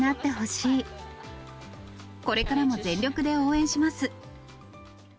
これからも全力で応援します。